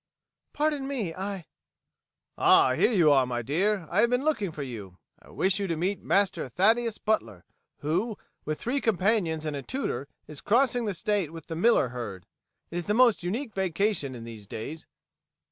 "Pardon me, I " "Ah, here you are, my dear. I have been looking for you. I wish you to meet Master Thaddeus Butler, who, with three companions and a tutor, is crossing the state with the Miller herd. It is the most unique vacation in these days.